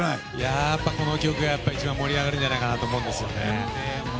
やっぱりこの曲が一番盛り上がるんじゃないかなと思うんですよね。